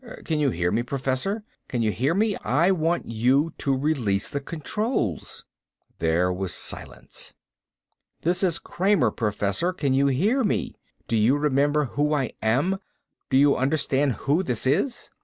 Can you hear me, Professor. Can you hear me? I want you to release the controls." There was silence. "This is Kramer, Professor. Can you hear me? Do you remember who I am? Do you understand who this is?"